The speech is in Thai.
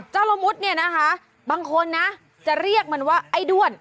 ละมุดเนี่ยนะคะบางคนนะจะเรียกมันว่าไอ้ด้วน